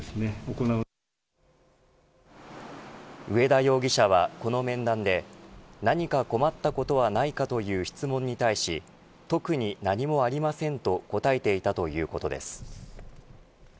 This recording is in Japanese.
上田容疑者はこの面談で何か困ったことはないかという質問に対し特に何もありませんと答えていたということです。